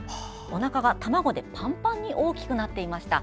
おなかが卵でパンパンに大きくなっていました。